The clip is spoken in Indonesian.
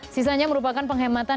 sisanya merupakan penghematan